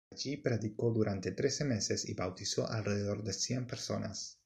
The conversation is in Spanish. Allí predicó durante trece meses y bautizó alrededor de cien personas.